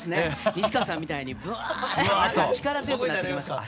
西川さんみたいにブワーッと力強くなって。